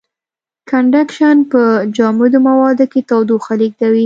کنډکشن په جامدو موادو کې تودوخه لېږدوي.